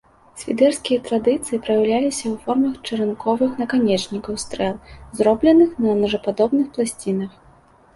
Свідэрскія традыцыі праяўляліся ў формах чаранковых наканечнікаў стрэл, зробленых на ножападобных пласцінах.